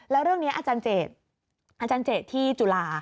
แล้วเรื่องนี้อาจารย์เจตอาจารย์เจตที่จุฬา